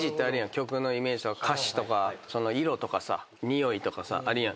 曲のイメージとか歌詞とか色とかさにおいとかさあるやん。